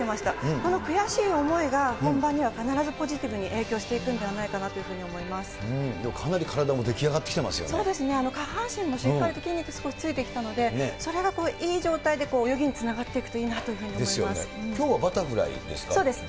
この悔しい思いが本番には必ずポジティブに影響していくんではないかなというふかなり体も出来上がってきてそうですね、下半身もしっかりと筋肉少しついてきたので、それがいい状態で泳ぎにつながっていくといいなというふうに思いですよね。